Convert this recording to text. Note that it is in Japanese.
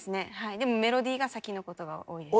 でもメロディーが先のことが多いです。